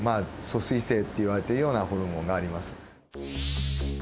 疎水性っていわれているようなホルモンがあります。